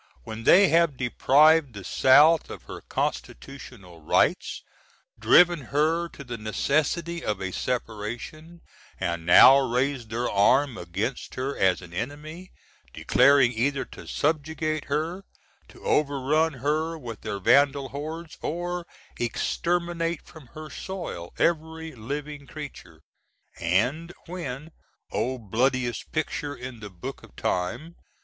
when they have deprived the South of her Consti^tn rights, driven her to the necessity of a separation, and now raise their arm against her as an enemy, declaring either to subjugate her, to overrun her with their vandal hordes, or exterminate from her soil every living creature? & when, "Oh bloodiest picture in the book of time!"